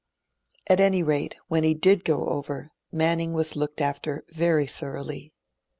At any rate, when he did go over, Manning was looked after very thoroughly.